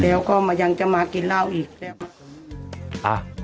แล้วก็มายังจะมากินเร่าอีก